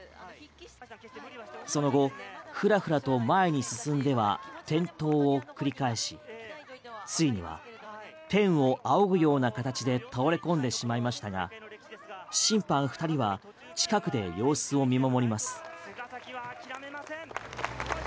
その後フラフラと前に進んでは転倒を繰り返しついには天を仰ぐような形で倒れ込んでしまいましたが審判２人は近くで様子を見守ります。